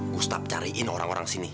gustap cariin orang orang sini